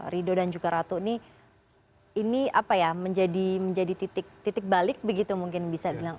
rido dan juga ratu ini ini apa ya menjadi titik balik begitu mungkin bisa bilang